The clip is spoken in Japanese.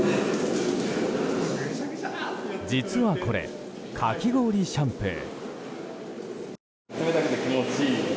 実はこれ、かき氷シャンプー。